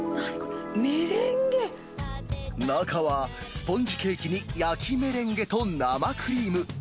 中は、スポンジケーキに焼きメレンゲと生クリーム。